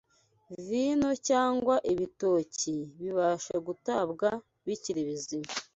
Vino cyangwa ibitoki bibasha gutarwa bikiri bizima